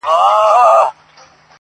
پروت کلچه وهلی پرې ښامار د نا پوهۍ کنې